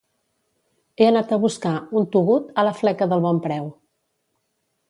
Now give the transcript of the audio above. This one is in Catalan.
He anat a buscar un "Too good" a la fleca del Bonpreu